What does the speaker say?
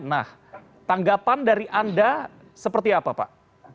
nah tanggapan dari anda seperti apa pak